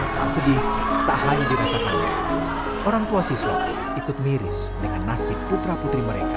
saat sedih tak hanya dirasakannya orang tua siswa ikut miris dengan nasib putra putri mereka